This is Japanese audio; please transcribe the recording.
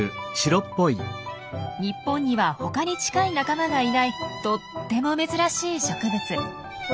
日本にはほかに近い仲間がいないとっても珍しい植物。